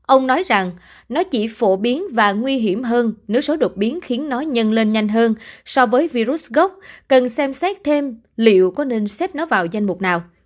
ông nói rằng nó chỉ phổ biến và nguy hiểm hơn nếu số đột biến khiến nó nhân lên nhanh hơn so với virus gốc cần xem xét thêm liệu có nên xếp nó vào danh mục nào